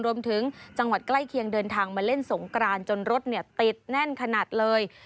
รวมถึงจังหวัดใกล้เคียงเดินทางมาเล่นสงกรานจนรถติดแน่นขนาดเลย